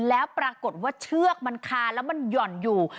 แล้วปรากฏว่าเชือกมันคาแล้วมันหย่อนอยู่